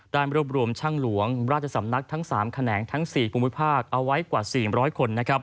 ได้รวบรวมช่างหลวงราชสำนักทั้ง๓แขนงทั้ง๔ภูมิภาคเอาไว้กว่า๔๐๐คน